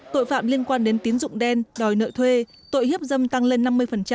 tội phạm liên quan đến tín dụng đen đòi nợ thuê tội hiếp dâm tăng lên năm mươi